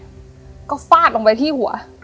พระอาจารย์ก็ฟาดลงไปที่หัว